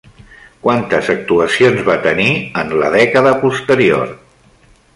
Quantes actuacions va tenir en la dècada posterior?